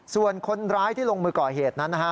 ส่วนคนร้ายที่ลงมือก่อเหตุนั้นนะฮะ